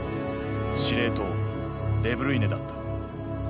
司令塔デブルイネだった。